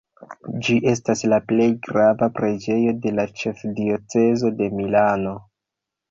Ĝi estas la plej grava preĝejo de la ĉefdiocezo de Milano.